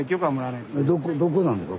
どこなんですか？